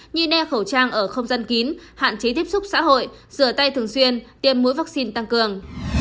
như đeo khẩu trang ở không gian kín hạn chế tiếp xúc xã hội rửa tay thường xuyên tiêm mũi vaccine tăng cường